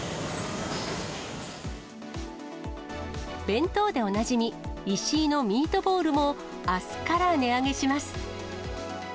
弁当でおなじみ、イシイのミートボールも、あすから値上げします。